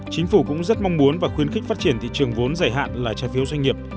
chính phủ cũng rất mong muốn và khuyến khích phát triển thị trường vốn dài hạn là trái phiếu doanh nghiệp